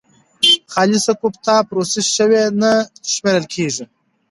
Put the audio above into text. خالصه کوفته پروسس شوې نه شمېرل کېږي.